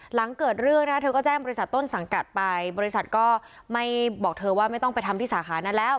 หลังเกิดเรื่องนะคะเธอก็แจ้งบริษัทต้นสังกัดไปบริษัทก็ไม่บอกเธอว่าไม่ต้องไปทำที่สาขานั้นแล้ว